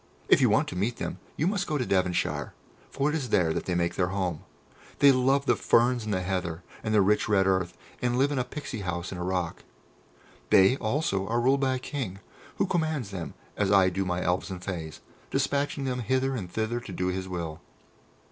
If you want to meet them, you must go to Devonshire, for it is there that they make their home. They love the ferns and the heather, and the rich red earth, and live in a Pixy house in a rock. They, also, are ruled by a King, who commands them as I do my Elves and Fays, despatching them hither and thither to do his will.